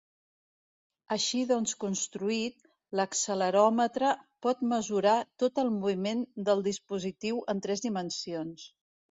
Així doncs construït, l'acceleròmetre pot mesurar tot el moviment del dispositiu en tres dimensions.